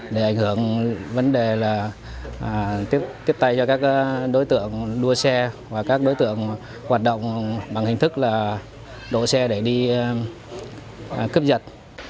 để ảnh hưởng vấn đề tiếp tay cho các đối tượng đua xe và các đối tượng hoạt động bằng hình thức đồ xe để đi cướp giật